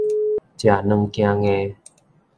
食軟驚硬